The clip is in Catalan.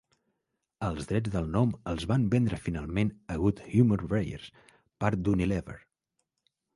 Els drets del nom els van vendre finalment a Good Humor-Breyers, part d'Unilever.